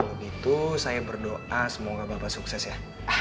kalau begitu saya berdoa semoga bapak sukses ya